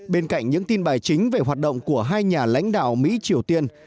bên cạnh những tin bài chính về hoạt động của hai nhà lãnh đạo mỹ triều tiên